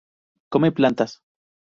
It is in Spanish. Come plantas.